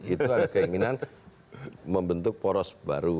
itu ada keinginan membentuk poros baru